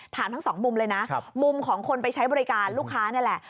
ทั้งสองมุมเลยนะมุมของคนไปใช้บริการลูกค้านี่แหละ